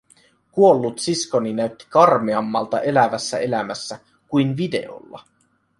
Kuollut siskoni näytti karmeammalta elävässä elämässä kuin videolla.